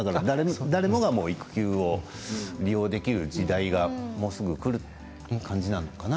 誰もが育休を利用できる時代がもうすぐ来る感じなのかな。